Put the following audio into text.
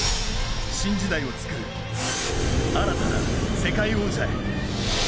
新時代を作る新たな世界王者へ。